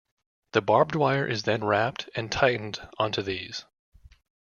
The barbed wire is then wrapped and tightened on to these.